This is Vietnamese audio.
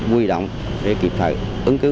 quy động để kịp thời ứng cứu